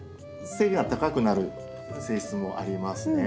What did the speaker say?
背が高くなる性質もありますね。